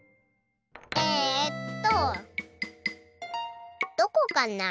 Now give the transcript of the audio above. えとどこかな？